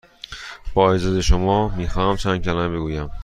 با اجازه شما، می خواهم چند کلمه بگویم.